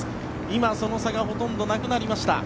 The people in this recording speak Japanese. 今、その差がほとんどなくなりました。